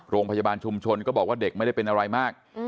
โรงพยาบาลชุมชนก็บอกว่าเด็กไม่ได้เป็นอะไรมาก